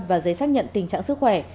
và giấy xác nhận tình trạng sức khỏe